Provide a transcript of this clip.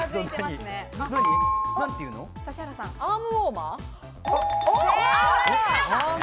アームウォーマー？